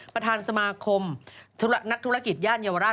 ประธานสมาคมนักธุรกิจย่านเยาวราช